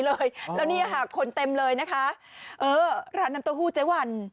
เลยแล้วนี่ค่ะคนเต็มเลยนะคะเออร้านน้ำตัวฮู้ใจวัน